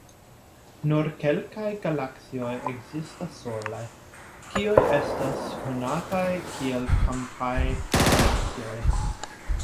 Nur kelkaj galaksioj ekzistas solaj; tiuj estas konataj kiel "kampaj galaksioj".